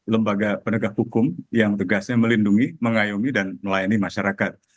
lembaga penegak hukum yang tugasnya melindungi mengayomi dan melayani masyarakat